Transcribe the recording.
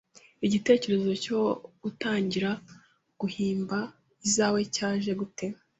igitekerezo cyo gutangira guhimba izawe cyaje gute?